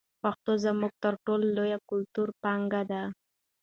پښتو زموږ تر ټولو لویه کلتوري پانګه ده.